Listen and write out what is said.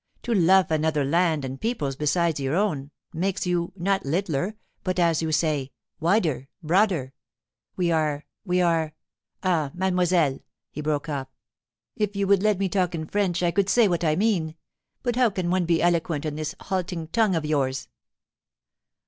To lofe another land and peoples besides your own makes you, not littler, but, as you say, wider—broader. We are—we are—— Ah, mademoiselle!' he broke off, 'if you would let me talk in French I could say what I mean; but how can one be eloquent in this halting tongue of yours?